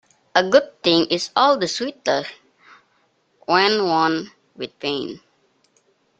A good thing is all the sweeter when won with pain.